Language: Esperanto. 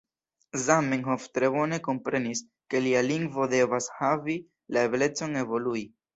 Zamenhof tre bone komprenis, ke lia lingvo devas havi la eblecon evolui.